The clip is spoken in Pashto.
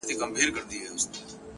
غواړمه چي دواړي سترگي ورکړمه;